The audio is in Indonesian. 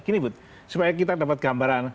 gini bud supaya kita dapat gambaran